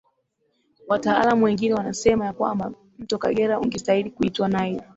Wataalamu wengine wanasema ya kwamba mto Kagera ungestahili kuitwa Nile